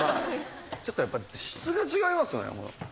ちょっとやっぱり質が違いますよね。